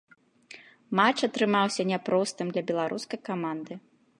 Матч атрымаўся няпростым для беларускай каманды.